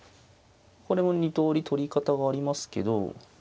これも２通り取り方がありますけど。